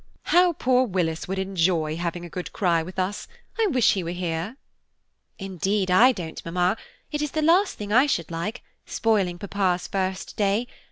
How poor Willis would enjoy having a good cry with us–I wish he were here." "Indeed, I don't mamma, it is the last thing I should like–spoiling papa's first day.